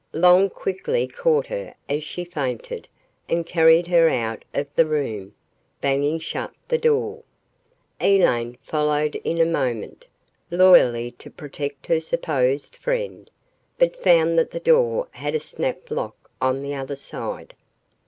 Long quickly caught her as she fainted and carried her out of the room, banging shut the door. Elaine followed in a moment, loyally, to protect her supposed friend, but found that the door had a snap lock on the other side.